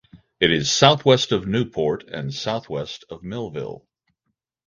It is southwest of Newport and southwest of Millville.